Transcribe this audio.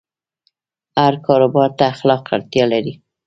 هر کاروبار ته اخلاق اړتیا لري.